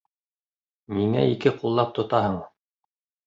Ниңә ике ҡуллап тотаһың?